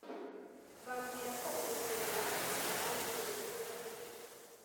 bambwira ko ubuzima ari umuhanda umwe,